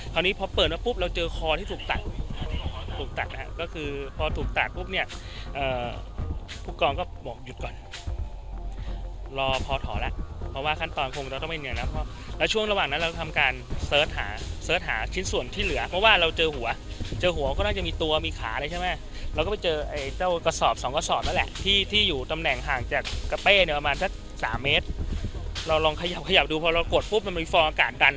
คราวนี้พอเปิดมาปุ๊บเราเจอคอที่ถูกตัดถูกตัดนะฮะก็คือพอถูกตัดปุ๊บเนี้ยเอ่อผู้กองก็บอกหยุดก่อนรอพอถอแล้วเพราะว่าขั้นตอนคงต้องไม่เหนื่อยนะเพราะว่าแล้วช่วงระหว่างนั้นเราก็ทำการหาหาชิ้นส่วนที่เหลือเพราะว่าเราเจอหัวเจอหัวก็น่าจะมีตัวมีขาเลยใช่ไหมเราก็ไปเจอไอ้เจ้ากระสอบสองกระส